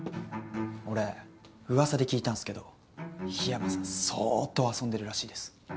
俺噂で聞いたんすけど緋山さん相当遊んでるらしいです。